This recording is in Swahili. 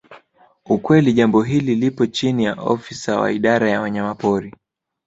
Ukweli jambo hili lipo chini ya ofisa wa idara ya wanyamapori